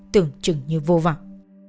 tưởng chừng như vô vọng